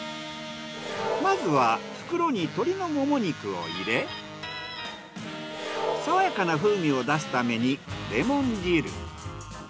まずは袋に鶏のモモ肉を入れさわやかな風味を出すためにレモン汁。